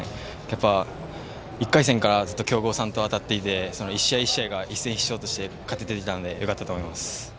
１回戦からずっと、強豪さんと当たっていてその１試合、１試合が一戦必勝として勝ててきたのでよかったと思います。